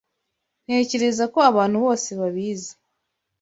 Ntekereza ko abantu bose babizi.